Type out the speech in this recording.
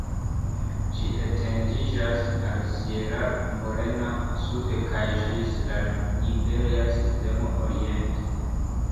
Ĝi etendiĝas al Sierra Morena sude kaj ĝis la Iberia Sistemo oriente.